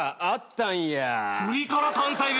あったんや。